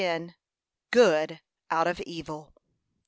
GOOD OUT OF EVIL.